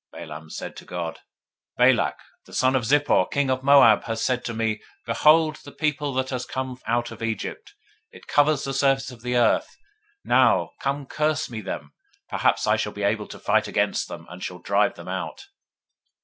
022:010 Balaam said to God, Balak the son of Zippor, king of Moab, has sent to me, [saying], 022:011 Behold, the people that is come out of Egypt, it covers the surface of the earth: now, come curse me them; peradventure I shall be able to fight against them, and shall drive them out.